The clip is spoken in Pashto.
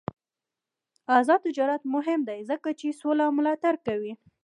آزاد تجارت مهم دی ځکه چې سوله ملاتړ کوي.